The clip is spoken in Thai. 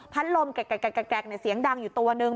พันธ์ลมแกรกแกรกเนี่ยเสียงดังอยู่ตัวนึง